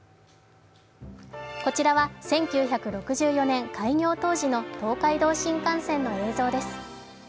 こちらは１９６４年開業当時の東海道新幹線の映像です。